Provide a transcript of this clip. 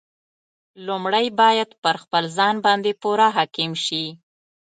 لومړی باید پر خپل ځان باندې پوره حاکم شي.